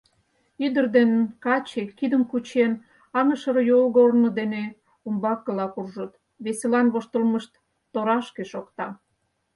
Ӱдыр ден каче, кидым кучен, аҥышыр йолгорно дене умбакыла куржыт, веселан воштылмышт торашке шокта.